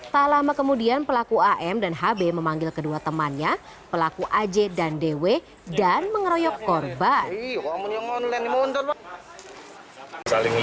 tak lama kemudian pelaku am dan hb memanggil kedua temannya pelaku aj dan dw dan mengeroyok korban